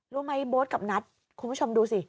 รู้ไหมโบ๊ทกับนัทคุณผู้ชมดูสิ